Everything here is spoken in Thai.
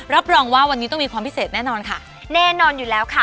รับรองว่าวันนี้ต้องมีความพิเศษแน่นอนค่ะแน่นอนอยู่แล้วค่ะ